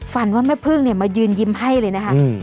ฟันว่าแม่พึ่งมายืนยิ้มให้เลยนะคะ